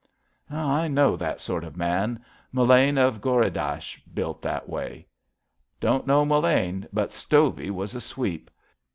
I know that sort of mau. Mullane of Ghori dasah's built that way." Don't know Mullane, but Stovey was a sweep.